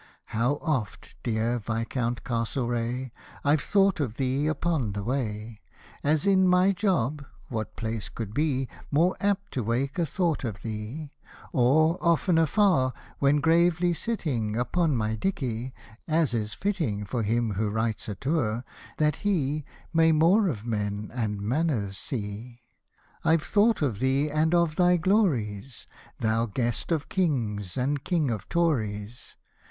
How oft, dear Viscount Castlereagh, I've thought of thee upon the way, As in \Vi.y job (what place could be More apt to wake a thought of thee ?)— Or, oftener far, when gravely sitting Upon my dicky (as is fitting For him who writes a Tour, that he May more of men and manners see), I've thought of thee and of thy glories. Thou guest of Kings, and King of Tories